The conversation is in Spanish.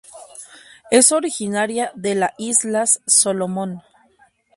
Es originaria de la Islas Solomon.